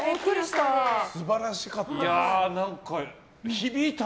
素晴らしかった。